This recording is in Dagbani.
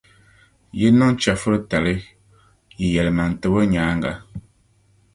Yi niŋ chεfuritali yi yɛlimaŋtibo nyaaŋa,